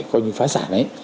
coi như phá sản ấy